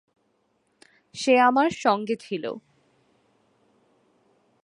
সে আমার সঙ্গে ছিল।